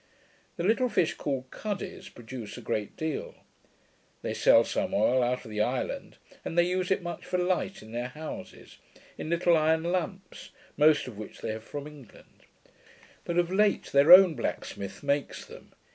The little fish called cuddies produce a great deal. They sell some oil out of the island, and they use it much for light in their houses, in little iron lamps, most of which they have from England; but of late their own blacksmith makes them.